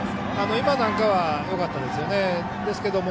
今なんかはよかったですね。